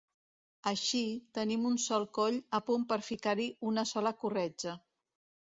Així, tenim un sol coll a punt per ficar-hi una sola corretja.